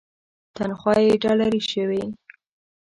تنخوا یې ډالري شوې.